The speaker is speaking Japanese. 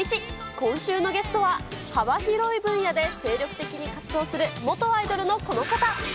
今週のゲストは、幅広い分野で精力的に活動する、元アイドルのこの方。